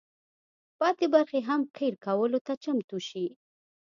پاتې برخې هم قیر کولو ته چمتو شي.